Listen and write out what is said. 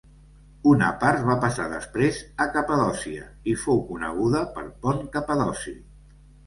Una part va passar després a Capadòcia i fou coneguda per Pont Capadoci.